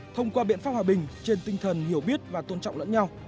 thông qua biện pháp hòa bình trên tinh thần hiểu biết và tôn trọng lẫn nhau